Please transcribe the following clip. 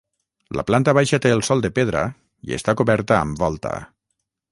La planta baixa té el sòl de pedra i està coberta amb volta.